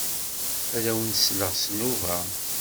Ad awen-sleɣ s nnuba.